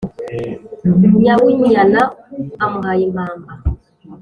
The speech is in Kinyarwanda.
nyabunyana amuhaye impamba